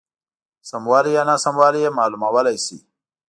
سموالی یا ناسموالی یې معلومولای شي.